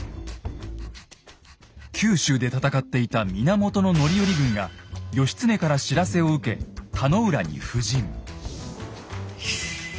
九州で戦っていた源範頼軍が義経から知らせを受け田野浦に布陣。